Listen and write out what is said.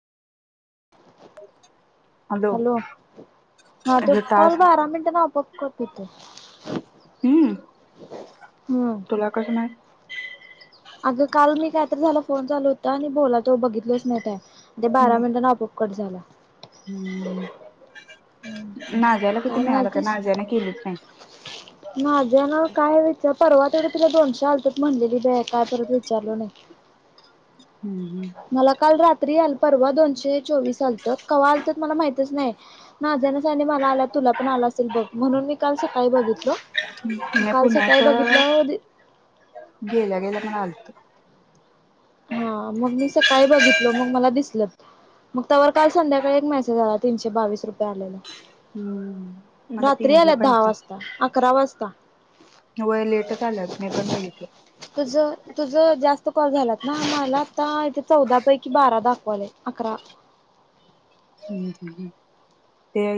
[inaudible] Hello हा तो अगं कॉल ब टास्क बारा मिनटांना अप करतो होतोय. हम्म हम्म तुला कस नाही. अगं काल मी काहीतरी झाला फोन चालू होता आणि बोला तो बघितलच नाही त्या ते हम्म बारा मिनटानं आपोआप कट झाला. हम्म. नाग्याला किती काय मिळालं का म्हणालतीस? नाग्यान केलंच नाही. माझ्या ना काय विचार परवा तेवढं तुला दोनशे अलतत म्हणलेली बाई काय परत विचारलो नाही. हम्म मला काल रात परवा दोनशे चोवीस आलत कवा आलत मला माहीतच नाही मला आला तुला पण आला असेल बघ म्हणून मी काल सकाळी बघितल हम्म मी काल सकाळी पुण्यात बघितलं गेल्या गेल्या पण आलतो हा मग मी सकाळी बघितलो मग मला दिसल - मग त्यावर काल संध्याकाळी एक मेसेज आला, तीनशे बावीस रुपये आलेला. हम्म मला रात्री तीनशे आल्यात दहा वाजता अकरा वाजता. पंचात्तर वय लेटच आलं मी पण बघितलं. तुझं तुझं जास्त कॉल झालात ना मला आता इथे चौदा पैकी बारा दाखवात. अकरा हम् हम हम